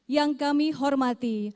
yang kami hormati